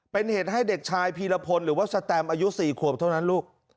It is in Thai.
เป็นเหตุให้เด็กชายพีรพลหรือว่าสแตมอายุ๔ขวบเท่านั้นลูก